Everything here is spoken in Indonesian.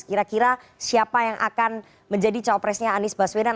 kira kira siapa yang akan menjadi cawapresnya anies baswedan